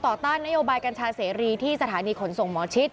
ต้านนโยบายกัญชาเสรีที่สถานีขนส่งหมอชิด